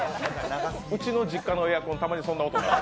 うちの実家のエアコン、たまにそんな音する。